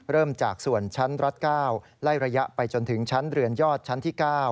เริ่มจากส่วนชั้นรัฐ๙ไล่ระยะไปจนถึงชั้นเรือนยอดชั้นที่๙